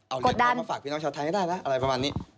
เอาเหรียญทองมาฝากพี่น้องเช้าไทยได้นะอะไรประมาณนี้กดดัน